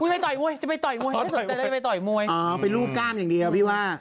ไปต่อยมวยจะไปต่อยมวยไม่สนใจเลยจะไปต่อยมวยอ๋อเป็นรูปก้ามอย่างเดียวพี่ว่า